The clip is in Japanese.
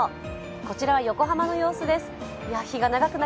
こちらは横浜の様子です。